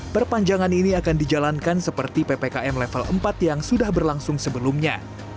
perpanjangan ini akan dijalankan seperti ppkm level empat yang sudah berlangsung sebelumnya